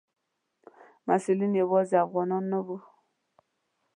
مسؤلین یوازې افغانان نه وو.